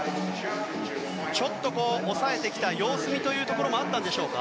ちょっと抑えてきた様子見というところもあったのでしょうか。